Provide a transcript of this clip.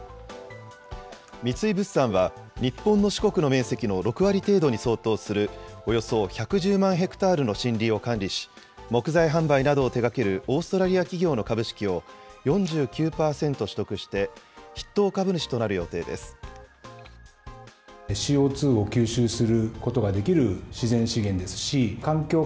三井物産は、日本の四国の面積の６割程度に相当するおよそ１１０万ヘクタールの森林を管理し、木材販売などを手がけるオーストラリア企業の株式を４９％取得して、筆頭株主となる予定です。